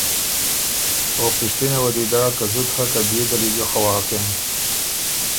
او پِشتِنه وه دی داک که ”زُت هۀ که بيې ده لی ګۀ خوا کېم؟“